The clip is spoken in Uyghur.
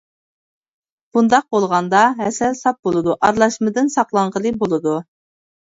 بۇنداق بولغاندا ھەسەل ساپ بولىدۇ، ئارىلاشمىدىن ساقلانغىلى بولىدۇ.